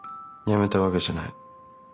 やめたわけじゃない。